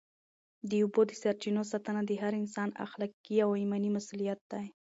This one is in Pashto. د اوبو د سرچینو ساتنه د هر انسان اخلاقي او ایماني مسؤلیت دی.